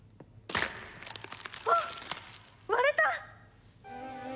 あっ割れた！